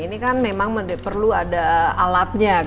ini kan memang perlu ada alatnya